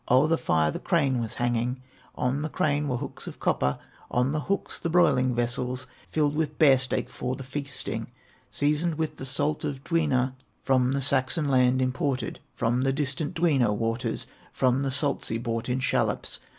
O'er the fire the crane was hanging, On the crane were hooks of copper, On the hooks the broiling vessels Filled with bear steak for the feasting, Seasoned with the salt of Dwina, From the Saxon land imported, From the distant Dwina waters, From the salt sea brought in shallops.